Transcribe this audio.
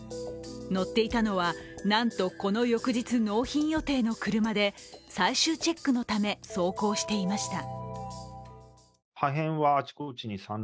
乗っていたのは、なんとこの翌日納品予定の車で最終チェックのため走行していました。